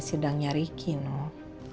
sidangnya ricky noh